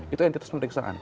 itu entitas pemeriksaan